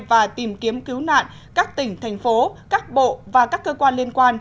và tìm kiếm cứu nạn các tỉnh thành phố các bộ và các cơ quan liên quan